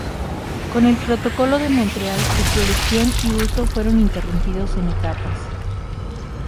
Con el Protocolo de Montreal su producción y uso fueron interrumpidos en etapas.